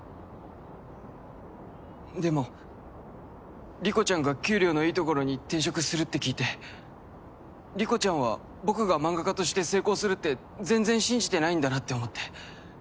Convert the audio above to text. でも莉子ちゃんが給料のいいところに転職するって聞いて莉子ちゃんは僕が漫画家として成功するって全然信じてないんだなって思って。